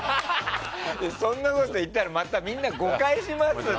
そんなこと言ったらまたみんな誤解しますよ。